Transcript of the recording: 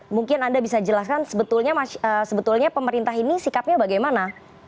mungkin anda bisa jelaskan sebetulnya pemerintah ini sikapnya bagaimana